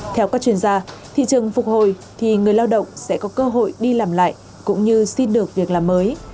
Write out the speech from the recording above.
theo các chuyên gia thị trường phục hồi thì người lao động sẽ có cơ hội đi làm lại cũng như xin được việc làm mới